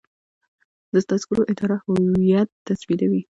د تذکرو اداره هویت ثبتوي